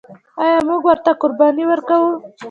آیا موږ ورته قرباني ورکوو؟